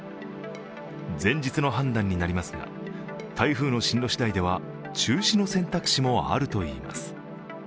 前日の判断になりますが、台風の進路しだいでは中止の選択肢もあるといいます。